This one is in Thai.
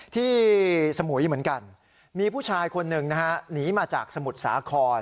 ที่สมุยเหมือนกันมีผู้ชายคนหนึ่งนะฮะหนีมาจากสมุทรสาคร